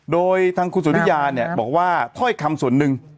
โดยทางคุณสุริยาเนี่ยบอกว่าถ้อยคำส่วนหนึ่ง